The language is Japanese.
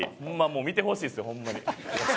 もう見てほしいですよホンマに。